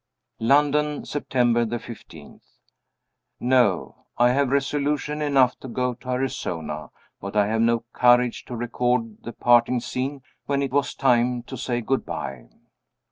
London, September 15. No. I have resolution enough to go to Arizona, but I have no courage to record the parting scene when it was time to say good by.